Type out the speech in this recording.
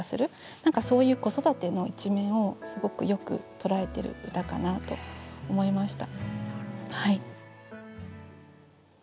そういう子育ての一面をすごくよく捉えてる歌かなと思いました。